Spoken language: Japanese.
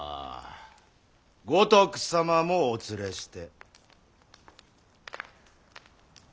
五徳様もお連れして。